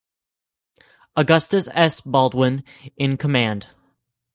Augustus S. Baldwin in command.